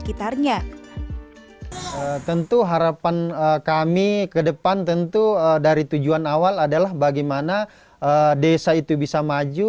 tentu harapan kami ke depan tentu dari tujuan awal adalah bagaimana desa itu bisa maju